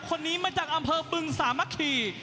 คนนี้มาจากอำเภอบึงสามัคคี